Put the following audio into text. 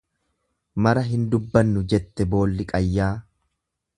Mara hin dubbannu jette boolli qayyaa.